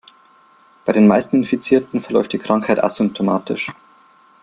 Bei den meisten Infizierten verläuft die Krankheit asymptomatisch.